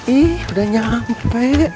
ih udah nyampe